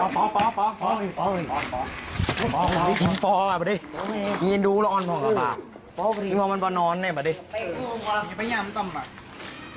พอป่ะป่ะดินี่ดูร้อนป่ะป่ะพอป่ะดินี่มองมันป่อนอนเนี่ยป่ะดิ